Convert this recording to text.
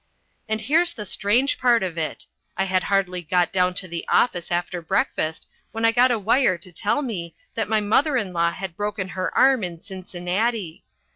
And here's the strange part of it. I had hardly got down to the office after breakfast when I got a wire to tell me that my mother in law had broken her arm in Cincinnati.